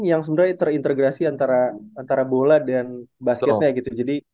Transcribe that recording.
yang sebenarnya terintegrasi antara bola dan basketnya gitu